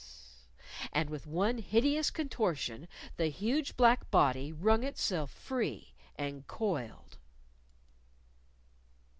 _" And with one hideous contortion, the huge black body wrung itself free and coiled.